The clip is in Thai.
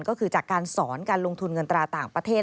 ก็คือจากการสอนการลงทุนเงินตราต่างประเทศ